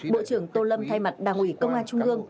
bộ trưởng tô lâm thay mặt đảng ủy công an trung ương